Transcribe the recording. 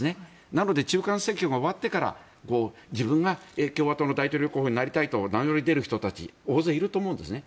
なので中間選挙が終わってから自分は共和党の大統領候補になりたいと名乗り出る人たちは大勢いると思うんですね。